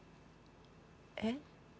えっ？